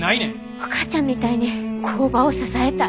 お母ちゃんみたいに工場を支えたい。